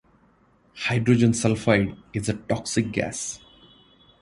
Hydrogen sulfide is a toxic gas.